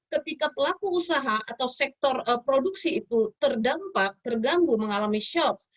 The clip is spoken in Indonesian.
ketika pelaku usaha atau sektor produksi itu terdampak terganggu mengalami shock